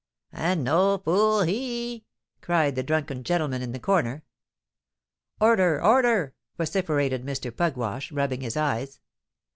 "And no fool he!" cried the drunken gentleman in the corner. "Order! order!" vociferated Mr. Pugwash, rubbing his eyes.